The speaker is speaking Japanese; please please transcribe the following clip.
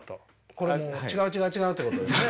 これもう違う違う違うってことですね。